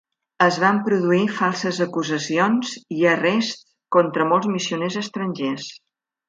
Es van produir falses acusacions i arrests contra molts missioners estrangers.